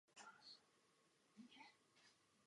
I ten však obsahuje zranitelnosti.